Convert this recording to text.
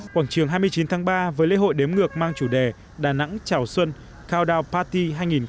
quảng trường hai mươi chín tháng ba với lễ hội đếm ngược mang chủ đề đà nẵng chào xuân countdown party hai nghìn một mươi tám